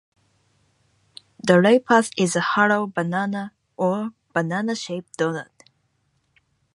The ray path is a hollow banana, or a banana-shaped doughnut.